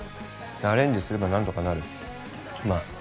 アレンジすれば何とかなるまあ